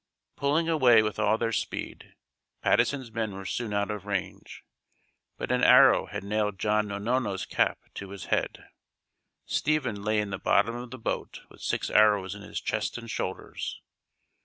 Pulling away with all their speed, Patteson's men were soon out of range, but an arrow had nailed John Nonono's cap to his head. Stephen lay in the bottom of the boat with six arrows in his chest and shoulders.